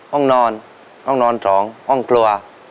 ห้องนอนห้องนอน๒ห้องกลัว